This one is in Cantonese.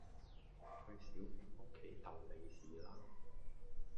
去小丙屋企逗利是啦